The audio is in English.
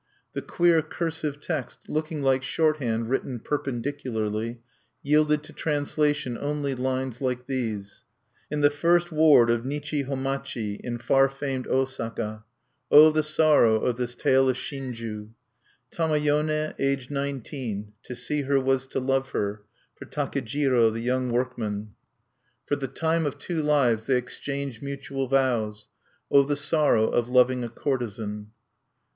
The queer cursive text, looking like shorthand written perpendicularly, yielded to translation only lines like these: "In the First Ward of Nichi Hommachi, in far famed Osaka O the sorrow of this tale of shinju! "Tamayone, aged nineteen, to see her was to love her, for Takejiro, the young workman. "For the time of two lives they exchange mutual vows _O the sorrow of loving a courtesan!